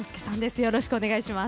よろしくお願いします。